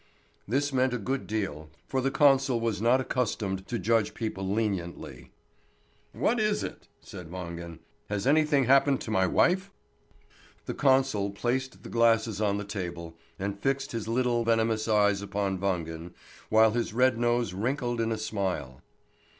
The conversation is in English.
This meant a good deal, for the consul was not accustomed to judge people leniently. "What is it?" said Wangen. "Has anything happened to my wife?" The consul placed the glasses on the table, and fixed his little, venomous eyes upon Wangen, while his red nose wrinkled in a smile.